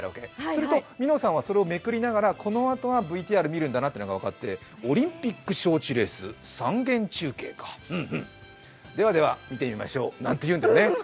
するとみのさんは、それをめくりながらこのあとはＶＴＲ見るのは分かってオリンピック招致レース、中継か、うんうん、ではでは見てみましょうなんて言うんだよね。